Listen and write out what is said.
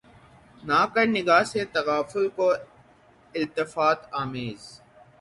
نہ کر نگہ سے تغافل کو التفات آمیز